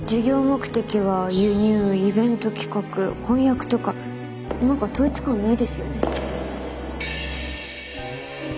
目的は輸入イベント企画翻訳とか何か統一感ないですよね。